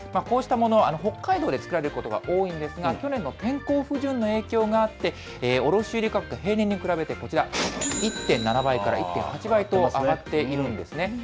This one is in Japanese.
こうしたものは、北海道で作られることが多いんですが、去年の天候不順の影響があって、卸売り価格が平年に比べてこちら、１．７倍から１．８倍と、上がっているんですね。